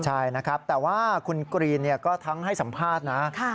ใช่นะครับแต่ว่าคุณกรีนก็ทั้งให้สัมภาษณ์นะ